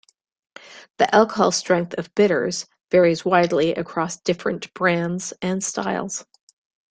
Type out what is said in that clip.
The alcoholic strength of bitters varies widely across different brands and styles.